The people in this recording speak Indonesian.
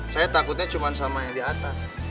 saya takutnya cuma sama yang di atas